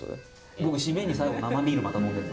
僕〆に最後生ビールまた飲んでる。